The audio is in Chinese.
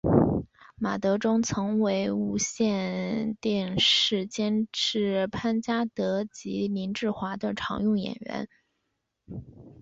马德钟曾为无线电视监制潘嘉德及林志华的常用演员。